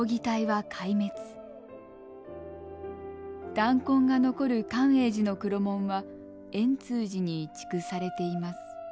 弾痕が残る寛永寺の黒門は円通寺に移築されています。